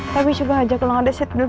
tapi coba aja kalau gak ada seatbelt